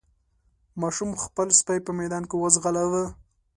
ماشوم خپل سپی په ميدان کې وځغلاوه.